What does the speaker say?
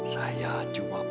saya akan selamatkan kakek